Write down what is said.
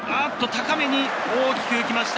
高めに大きく浮きました。